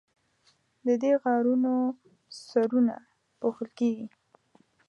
د دې غارونو سرونه پوښل کیږي.